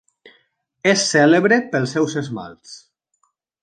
És cèlebre pels seus esmalts.